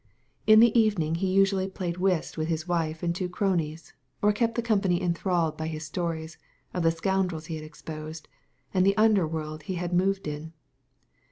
In the evening he usually played whist with his wife and two cronies^ or kept the company enthralled by his stories of the scoundrels he had exposed, and the under world he had moved in.